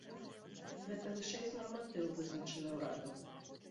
Гэта вышэй за нарматыў, вызначаны ўрадам.